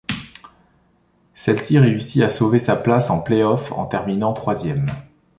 Celle-ci réussit à sauver sa place en play-off en terminant troisième.